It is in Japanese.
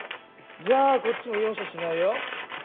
じゃあこっちも容赦しないよ。